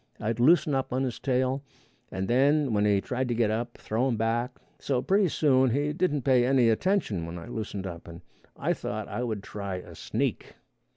I'd loosen up on his tail, and then when he tried to get up, throw him back; so pretty soon he didn't pay any attention when I loosened up, and I thought I would try a sneak.